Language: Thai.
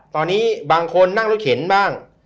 ตอนนี้บางคนนั่งรถเข็นบ้าง